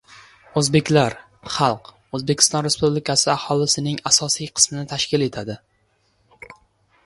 Oʻzbeklar — xalq, Oʻzbekiston Respublikasi aholisining asosiy qismini tashkil etadi.